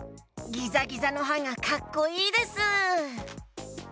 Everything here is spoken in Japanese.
ギザギザのはがかっこいいです！